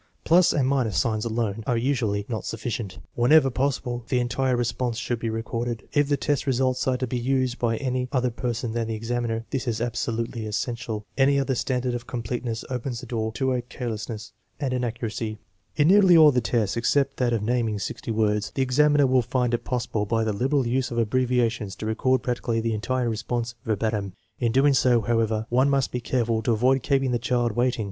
Plus and minus signs alone are not usually sufficient. Whenever possible the entire re sponse should be recorded. If the test results are to be used by any other person than the examiner, this is absolutely essential. Any other standard of completeness opens the door to carelessness and inaccuracy. In nearly all the tests, except that of naming sixty words, the examiner will find it possible by the liberal use of abbreviations to record practically the entire response verbatim. In doing so, however, one must be careful to avoid keeping the child waiting.